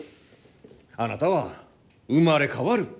あなたは生まれ変わる！